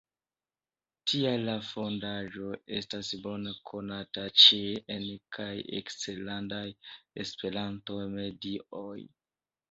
Tial la Fondaĵo estas bone konata ĉe en- kaj eksterlandaj Esperanto-medioj.